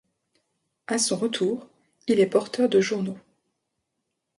À son retour, il est porteur de journaux.